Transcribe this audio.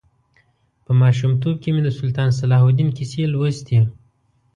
په ماشومتوب کې مې د سلطان صلاح الدین کیسې لوستې.